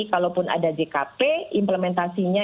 kalaupun ada jkp implementasinya